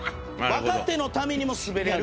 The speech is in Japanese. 若手のためにもスベれる。